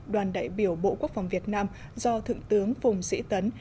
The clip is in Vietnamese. đoàn đại biểu bộ quốc phòng việt nam do thượng tướng phùng sĩ tấn